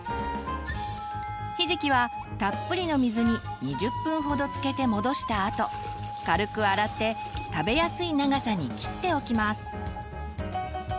ひじきはたっぷりの水に２０分ほどつけてもどしたあと軽く洗って食べやすい長さに切っておきます。